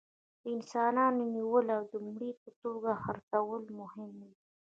د انسانانو نیول او د مري په توګه خرڅول مهم وو.